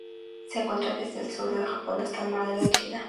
Se encuentra desde el sur del Japón hasta el Mar de la China Meridional.